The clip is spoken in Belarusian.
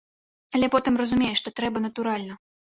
Але потым разумееш, што трэба натуральна.